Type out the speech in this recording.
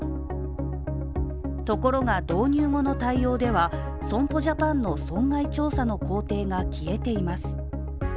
ところが導入後の対応では、損保ジャパンの損害調査の工程が消えています